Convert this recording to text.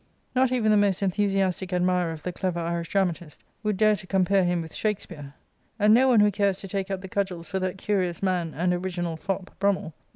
Not even the most enthusiastic admirer of the clever Irish dramatist would dare to com pare him with Shakespeare ; and no one who cares to take up the cudgels for that curious man and original fop, Bmmmel — z.